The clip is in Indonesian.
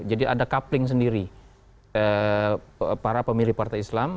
jadi ada coupling sendiri para pemilih partai islam